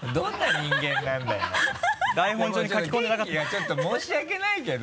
元気はちょっと申し訳ないけど。